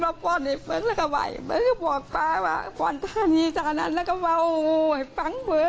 ป้าช่วงมาพรอมไว่ก็บอกป้าวาพ่อนท่านีตาทั้งนั้นแล้วคำว่าโอ้ยบางบเวท